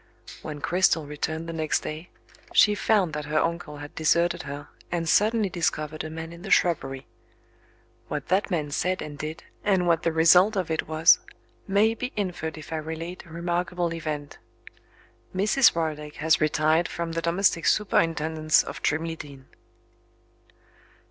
When Cristel returned the next day, she found that her uncle had deserted her, and suddenly discovered a man in the shrubbery. What that man said and did, and what the result of it was, may be inferred if I relate a remarkable event. Mrs. Roylake has retired from the domestic superintendence of Trimley Deen.